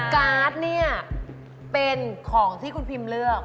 การ์ดเนี่ยเป็นของที่คุณพิมเลือก